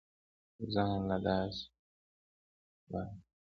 زان له دا سه وايې.